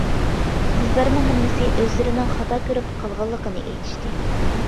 قىزلارنىڭ ھەممىسى ئۆزلىرىنىڭ خاتا كۆرۈپ قالغانلىقىنى ئېيتىشتى.